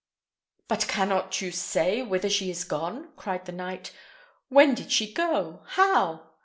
"But cannot you say whither she is gone?" cried the knight. "When did she go? How?"